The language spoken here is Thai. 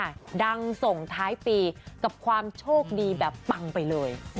แม่คนดังค่ะดังส่งท้ายปีกับความโชคดีแบบปังไปเลย